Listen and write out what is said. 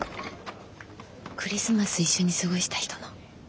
クリスマス一緒に過ごした人の。